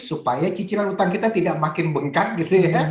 supaya cicilan utang kita tidak makin bengkak gitu ya